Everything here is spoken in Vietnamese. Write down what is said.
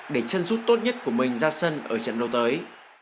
để chân suốt tốt nhất của mình ra sân ở trận lâu tới